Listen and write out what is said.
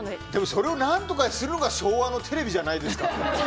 それを何とかするのが昭和のテレビじゃないですか。